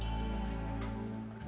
tadi lu bilang dia ke jakarta